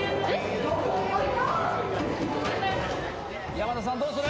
山田さんどうする？